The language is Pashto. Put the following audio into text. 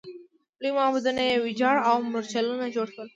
لوی معبدونه یې ویجاړ او مورچلونه جوړ شول.